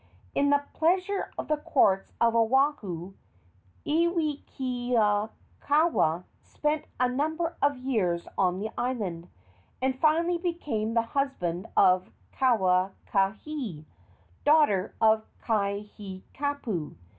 In the pleasure of the courts of Oahu, Iwikauikaua spent a number of years on the island, and finally became the husband of Kauakahi, daughter of Kaihikapu.